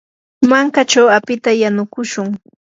mankachaw apita yanukushun.